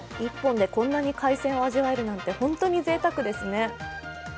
１本でこんなに海鮮を味わえるなんて、本当にぜいたくですね。